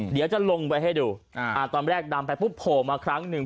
เดี๋ยวจะลงไว้ให้ดูอ่ะตอนแรกดำพูดโผล่มาครั้งนึง